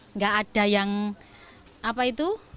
nggak ada yang apa itu